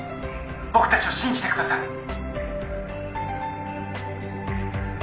僕たちを信じてください。